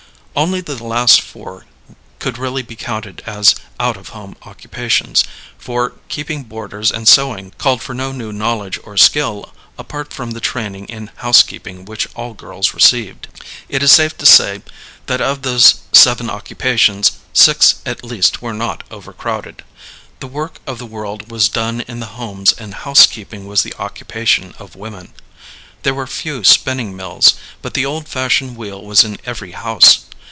Only the last four could really be counted as out of home occupations, for keeping boarders and sewing called for no new knowledge or skill apart from the training in housekeeping which all girls received. It is safe to say that of those seven occupations, six at least were not overcrowded. The work of the world was done in the homes and housekeeping was the occupation of women. There were few spinning mills, but the old fashioned wheel was in every house.